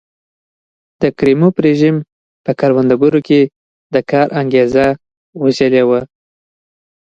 د کریموف رژیم په کروندګرو کې د کار انګېزه وژلې وه.